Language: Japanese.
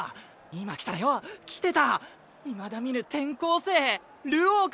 今来たらよ来てたいまだ見ぬ転校生流鶯君！